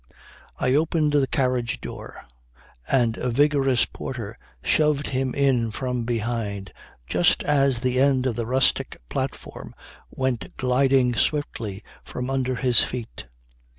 I opened the carriage door, and a vigorous porter shoved him in from behind just as the end of the rustic platform went gliding swiftly from under his feet.